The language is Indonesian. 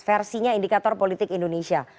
versinya indikator politik indonesia